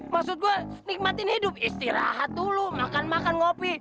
maksud gue nikmatin hidup istirahat dulu makan makan ngopi